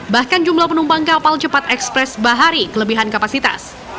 bahkan jumlah penumpang kapal cepat ekspres bahari kelebihan kapasitas